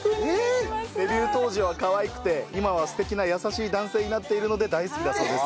デビュー当時はかわいくて今は素敵な優しい男性になっているので大好きだそうです。